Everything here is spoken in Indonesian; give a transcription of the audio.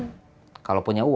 ditinggal yang berpenggul